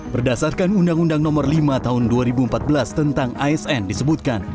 berdasarkan undang undang nomor lima tahun dua ribu empat belas tentang asn disebutkan